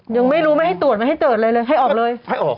ยังไม่รู้ไม่ให้ตรวจไม่ให้เติดเลยให้ออกเลย